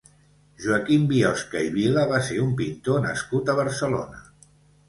Joaquim Biosca i Vila va ser un pintor nascut a Barcelona.